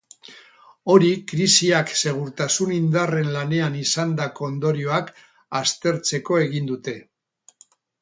Hori krisiak segurtasun indarren lanean izandako ondorioak aztertzeko egin dute.